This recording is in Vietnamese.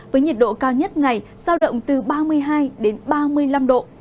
với nhiệt độ cao nhất ngày giao động từ ba mươi hai ba mươi năm độ